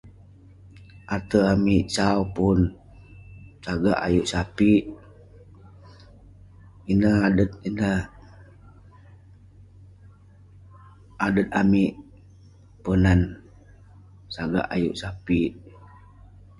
Ate amik sau pun sagak ayuk sapik. Ineh adet- ineh adet amik Ponan, sagak ayuk sapik.